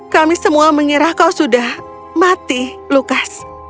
kami semua mengira kau sudah mati lukas